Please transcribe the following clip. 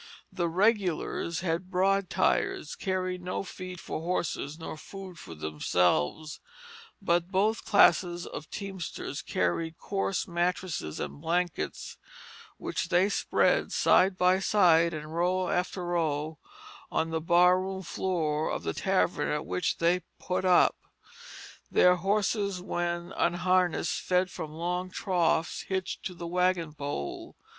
The "Regulars" had broad tires, carried no feed for horses nor food for themselves, but both classes of teamsters carried coarse mattresses and blankets, which they spread side by side, and row after row, on the bar room floor of the tavern at which they "put up." Their horses when unharnessed fed from long troughs hitched to the wagon pole.